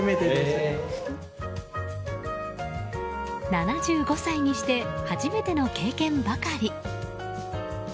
７５歳にして初めての経験ばかり。